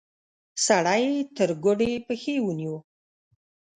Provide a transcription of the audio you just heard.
سړی يې تر ګوډې پښې ونيو.